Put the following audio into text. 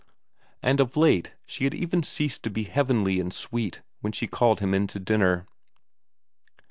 And of late she had even ceased to be heavenly and sweet when she called him in to dinner.